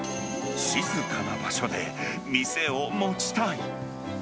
静かな場所で店を持ちたい。